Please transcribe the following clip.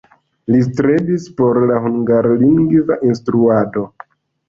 Li strebis por la hungarlingva instruado.